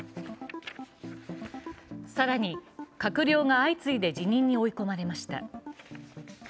更に、閣僚が相次いで辞任に追い込まれました。